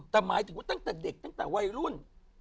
แต่หมายถึงว่าตั้งแต่เด็กตั้งแต่วัยรุ่น